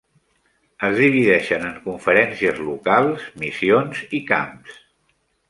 Es divideixen en conferències locals, missions i camps.